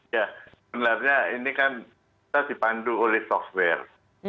ya sebenarnya ini kan kita dipandu oleh software